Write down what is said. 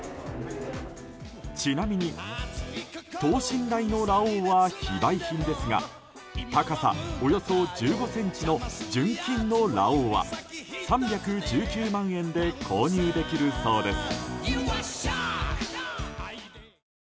ちなみに、等身大のラオウは非売品ですが高さおよそ１５ｃｍの純金のラオウは３１９万円で購入できるそうです。